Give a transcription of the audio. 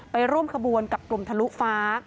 ร่วมขบวนกับกลุ่มทะลุฟ้า